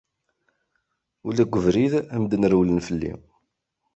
Ula deg ubrid, medden rewwlen fell-i.